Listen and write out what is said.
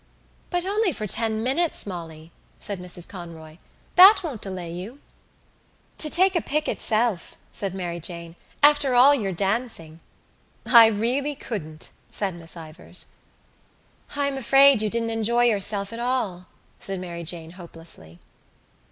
"But only for ten minutes, Molly," said Mrs Conroy. "That won't delay you." "To take a pick itself," said Mary Jane, "after all your dancing." "I really couldn't," said Miss Ivors. "I am afraid you didn't enjoy yourself at all," said Mary Jane hopelessly.